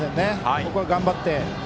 ここは頑張って。